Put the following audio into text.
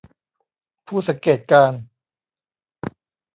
ผู้สังเกตการณ์